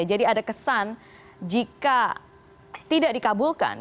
jadi ada kesan jika tidak dikabulkan